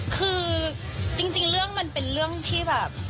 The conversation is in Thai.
คือจริงเรื่องมันเป็นเรื่องที่แบบ